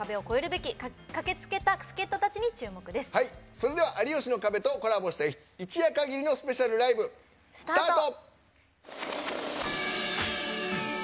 それでは「有吉の壁」とコラボした一夜限りのスペシャルライブスタート！